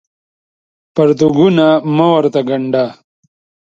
پرتوګونه مه ورته ګاڼډه